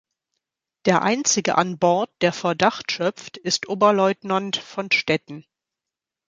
Der einzige an Bord, der Verdacht schöpft, ist Oberleutnant von Stetten.